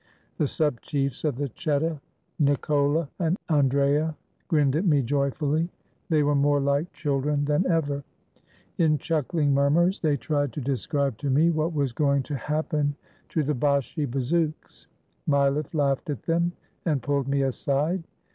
The sub chiefs of the cheta, Nicola and Andrea, grinned at me joyfully. They were more like children than ever. In chuckling murmurs, they tried to describe 421 THE BALKAN STATES to me what was going to happen to the Bashi bazouks. Milefif laughed at them and pulled me aside.